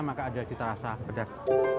maka ada cita rasa pedas